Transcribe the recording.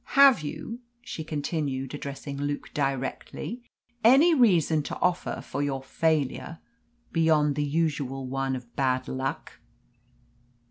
"Have you," she continued, addressing Luke directly, "any reason to offer for your failure beyond the usual one of bad luck?"